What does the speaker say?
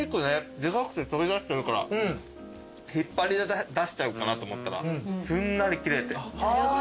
でかくて飛び出してるから引っ張り出しちゃうかなと思ったらすんなり切れて。